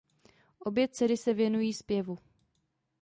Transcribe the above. Obě dcery se věnují zpěvu.